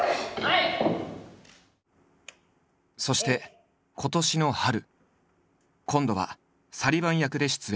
そして今年の春今度はサリヴァン役で出演。